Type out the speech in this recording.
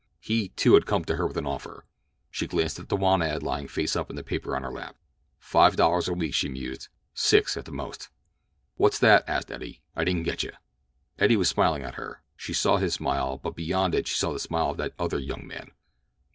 He, too, had come to her with an offer. She glanced at the want ad lying face up in the paper on her lap. "Five dollars a week," she mused. "Six at the most." "What's that?" asked Eddie. "I didn't getcha." Eddie was smiling at her. She saw his smile, but beyond it she saw the smile of that other young man.